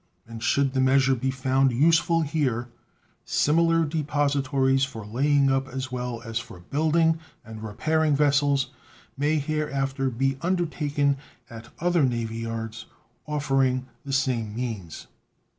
And should the measure be found useful here, similar depositories for laying up as well as for building and repairing vessels may hereafter be undertaken at other navy yards offering the same means.